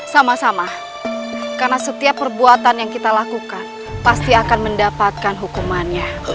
sama sama karena setiap perbuatan yang kita lakukan pasti akan mendapatkan hukumannya